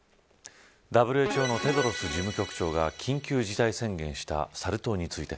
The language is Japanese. ＷＨＯのテドロス事務局長が緊急事態宣言したサル痘について。